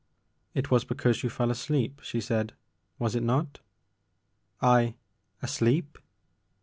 It was because you fell asleep," she said, *' was it not?" "I— asleep?"